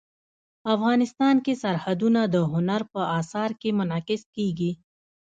افغانستان کې سرحدونه د هنر په اثار کې منعکس کېږي.